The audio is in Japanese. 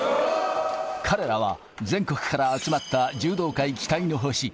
彼らは全国から集まった柔道界期待の星。